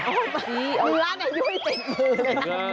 เนื้อเนื้อยุ่ยติดมือเลยนะ